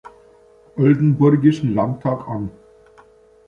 Oldenburgischen Landtag an.